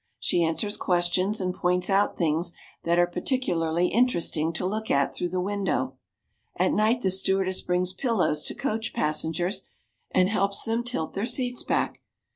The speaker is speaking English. She answers questions and points out things that are particularly interesting to look at through the window. At night the stewardess brings pillows to coach passengers and helps them tilt their seats back.